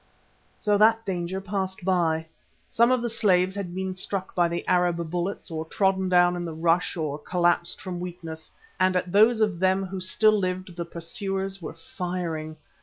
So that danger passed by. Some of the slaves had been struck by the Arab bullets or trodden down in the rush or collapsed from weakness, and at those of them who still lived the pursuers were firing.